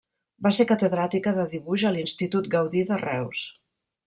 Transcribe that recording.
Va ser catedràtica de dibuix a l'Institut Gaudí de Reus.